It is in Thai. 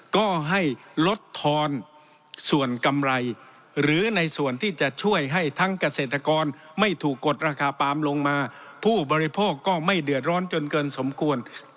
ก็ให้ลดทอนส่วนกำไรหรือในส่วนที่จะช่วยให้ทั้งเกษตรกรไม่ถูกกดราคาปาล์มลงมาผู้บริโภคก็ไม่เดือดร้อนจนเกินสมควร